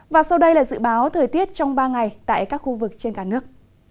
và sau đây là dự báo thời tiết trong ba ngày tại các khu vực trên cả nước